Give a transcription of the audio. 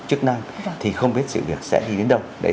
chức năng thì không biết sự việc sẽ đi đến đâu